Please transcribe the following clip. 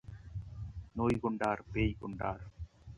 நோய் கொண்டார் பேய் கொண்டார்.